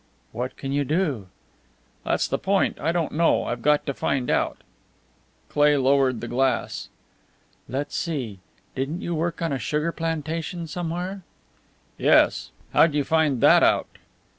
"What can you do?" "That's the point I don't know. I've got to find out." Cleigh lowered the glass. "Let's see; didn't you work on a sugar plantation somewhere?" "Yes. How'd you find that out?"